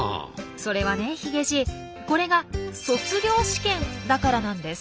それはねヒゲじいこれが卒業試験だからなんです。